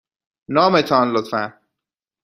نام تان، لطفاً.